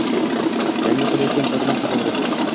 yangi qulaylikdan foydalanib ketavergan.